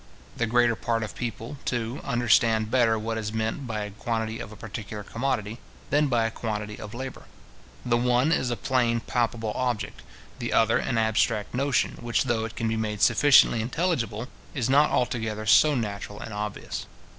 The greater part of people, too, understand better what is meant by a quantity of a particular commodity, than by a quantity of labour. The one is a plain palpable object; the other an abstract notion, which though it can be made sufficiently intelligible, is not altogether so natural and obvious.